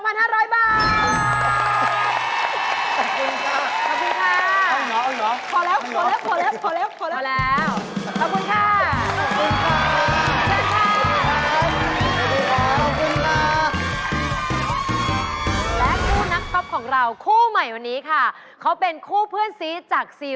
วันนี้ต้องขอบคุณคุณเล็กซี่และคุณกุ๊บกิ๊บค่ะ